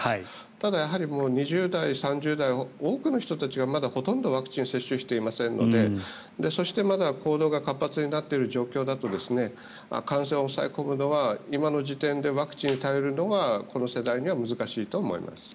ただ、２０代、３０代は多くの人たちがほとんどワクチンを接種していませんのでそしてまだ行動が活発になっている状況だと感染を抑え込むのは今の時点でワクチンに頼るのはこの世代には難しいと思います。